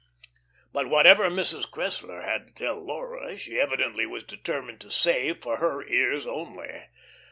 But whatever Mrs. Cressler had to tell Laura, she evidently was determined to save for her ears only.